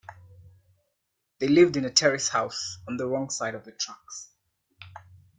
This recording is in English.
They lived in a terrace house, on the wrong side of the tracks